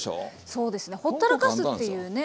そうですねほったらかすっていうね。